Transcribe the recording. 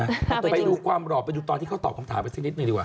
ไปดูความหล่อไปดูตอนที่เขาตอบคำถามกันสักนิดหนึ่งดีกว่า